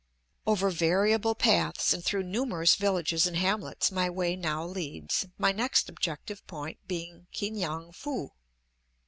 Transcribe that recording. Over variable paths and through numerous villages and hamlets my way now leads, my next objective point being Ki ngan foo.